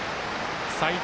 齋藤